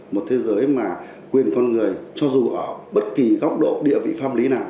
một thế giới mà quyền con người cho dù ở bất kỳ góc độ địa vị pháp lý nào